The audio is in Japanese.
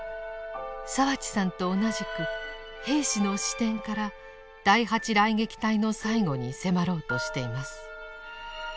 澤地さんと同じく兵士の視点から第８雷撃隊の最期に迫ろうとしています。